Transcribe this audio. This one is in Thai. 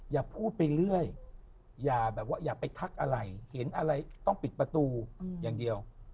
อย่าพูดไปเรื่อยอย่าแบบว่าอย่าไปทักอะไรเห็นอะไรต้องปิดประตูอย่างเดียว